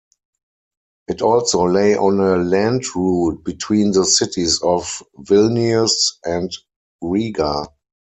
It also lay on a land route between the cities of Vilnius and Riga.